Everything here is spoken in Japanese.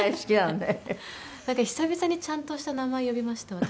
なんか久々にちゃんとした名前呼びました私。